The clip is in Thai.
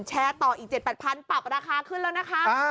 แชร์ต่ออีก๗๘๐๐ปรับราคาขึ้นแล้วนะคะ